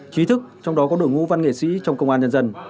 trí thức trong đó có đội ngũ văn nghệ sĩ trong công an nhân dân